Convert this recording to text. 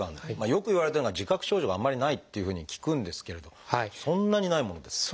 よくいわれてるのが自覚症状があんまりないっていうふうに聞くんですけれどそんなにないものですか？